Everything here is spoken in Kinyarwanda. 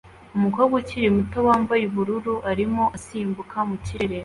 Umukobwa ukiri muto wambaye ubururu arimo asimbukira mu kirere